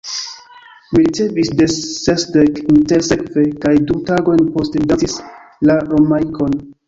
Mi ricevis sesdek intersekve, kaj du tagojn poste, mi dancis la Romaikon.